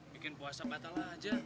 bikin puasa patah lah aja